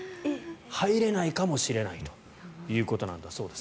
入れないかもしれないということだそうです。